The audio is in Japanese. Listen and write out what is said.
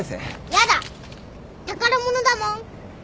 やだ宝物だもん。